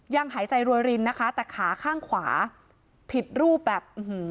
หายใจรวยรินนะคะแต่ขาข้างขวาผิดรูปแบบ